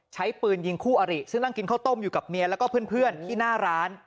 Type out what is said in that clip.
ใช้ปืนยิงคู่อริซึ่งนั่งกินข้าวต้มอยู่กับเมียแล้วก็เพื่อนที่หน้าร้าน